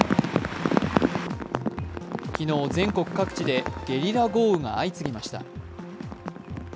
昨日、全国各地でゲリラ豪雨が相次ぎました。